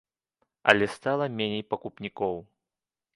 Але стала меней пакупнікоў.